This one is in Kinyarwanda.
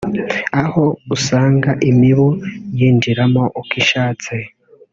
aho usanga imibu yinjiramo uko ishatse